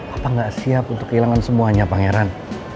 apa nggak siap untuk kehilangan semuanya pangeran